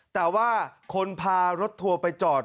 แต่ว่าคนพารถทัวร์ไปจอด